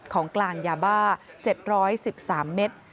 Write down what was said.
ของกลางยาบ้า๗๑๓เมตร